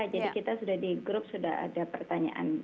jadi kita sudah di grup sudah ada pertanyaan